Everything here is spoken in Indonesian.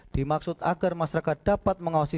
dimaksud agar masyarakat dapat mengawasi